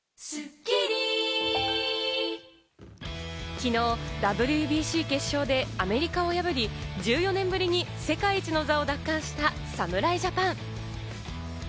昨日、ＷＢＣ決勝でアメリカを破り、１４年ぶりに世界一の座を奪還した侍ジャパン。